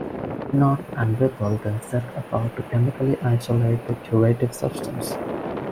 Minot and Whipple then set about to chemically isolate the curative substance.